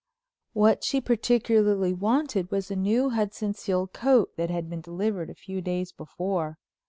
What she particularly wanted was a new Hudson seal coat that had been delivered a few days before.